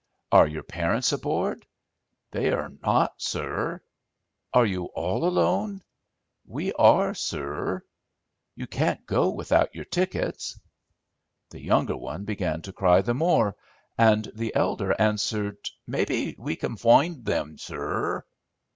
"Are your parents aboard?" "They are not, sur." "Are you all alone?" "We are, sur." "You can't go without your tickets." The younger one began to cry the more, and the elder answered, "Mabbe we can foind thim, sur."